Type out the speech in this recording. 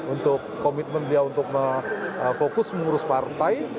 untuk komitmen beliau untuk fokus mengurus partai